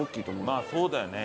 まあそうだよね。